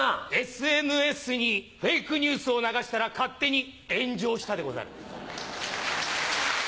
ＳＮＳにフェイクニュースを流したら勝手に炎上したでござる。